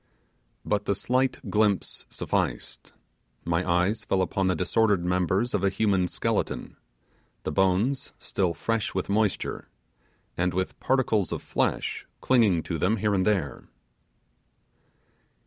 But the slight glimpse sufficed; my eyes fell upon the disordered members of a human skeleton, the bones still fresh with moisture, and with particles of flesh clinging to them here and there!